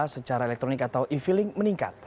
secara elektronik atau e filling meningkat